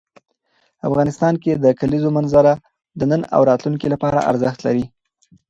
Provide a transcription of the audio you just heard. افغانستان کې د کلیزو منظره د نن او راتلونکي لپاره ارزښت لري.